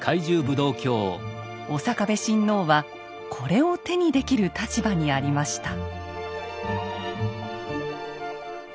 刑部親王はこれを手にできる立場にありました。